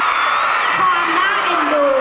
ความด้านแอดดู